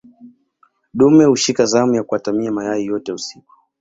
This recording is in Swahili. dume hushika zamu ya kuatamia mayai yote usiku